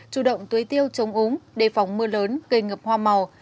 chủ động tuy tiêu chống úng đề phóng mưa lớn kề ngập hoa màu